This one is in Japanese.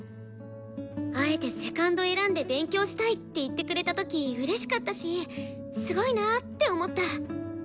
あえてセカンド選んで勉強したいって言ってくれた時うれしかったしすごいなって思った。